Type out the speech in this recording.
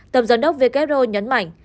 tầm giám đốc who nhấn mạnh